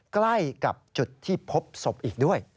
ใกล้กับจุดที่พบศพอีกด้วย